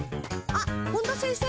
あっ本田先生。